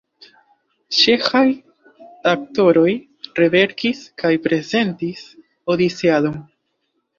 Ĉeĥaj aktoroj reverkis kaj prezentis Odiseadon.